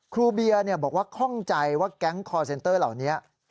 ครูเบียบอกว่าข้องใจว่าแก๊งคอร์เซ็นเตอร์เหล่านี้